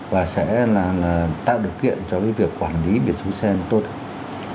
và sẽ là tạo điều kiện cho cái việc quản lý biển số xe tốt hơn